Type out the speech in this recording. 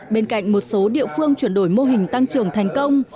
bên cạnh một số địa phương chuyển đổi mô hình tăng trưởng thành công